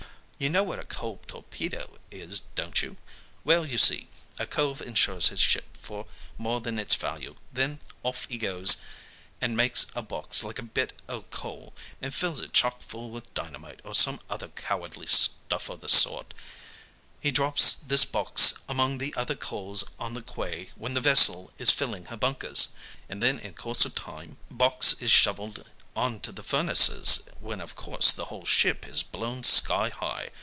You know what a coal torpedo is, don't you? Well, you see, a cove insures his ship for more than its value, and then off he goes and makes a box like a bit o'coal, and fills it chock full with dynamite, or some other cowardly stuff of the sort. He drops this box among the other coals on the quay when the vessel is filling her bunkers, and then in course of time box is shoveled on to the furnaces, when of course the whole ship is blown sky high.